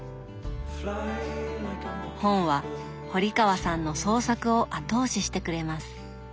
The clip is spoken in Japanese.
本は堀川さんの創作を後押ししてくれます。